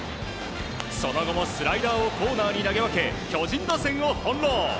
その後もスライダーをコーナーに投げ分け巨人打線を翻弄。